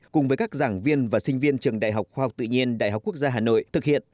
cùng với các giảng viên và sinh viên trường đại học khoa học tự nhiên đại học quốc gia hà nội thực hiện